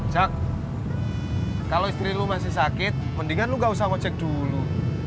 jak kalau istri lo masih sakit mendingan lo nggak usah ngocek dulu